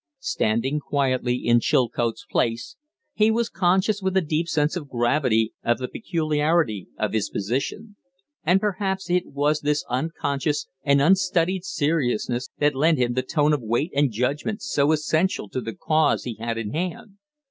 Standing quietly in Chilcote's place, he was conscious with a deep sense of gravity of the peculiarity of his position; and perhaps it was this unconscious and unstudied seriousness that lent him the tone of weight and judgment so essential to the cause he had in hand.